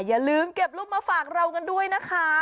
อย่าลืมเก็บรูปมาฝากเรากันด้วยนะคะ